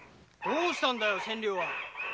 どうしたんだよ千両は？